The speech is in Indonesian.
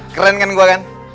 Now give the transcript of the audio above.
keren kan gua kan